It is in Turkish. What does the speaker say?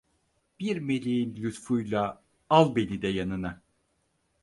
Bir meleğin lütfuyla al beni de yanına!